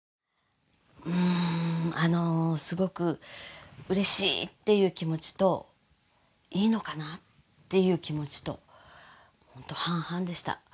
うーんあのすごくうれしいっていう気持ちといいのかな？っていう気持ちと本当半々でした。